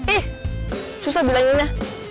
ih susah bilanginnya